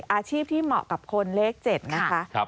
อาชีพที่เหมาะกับคนเลข๗นะคะ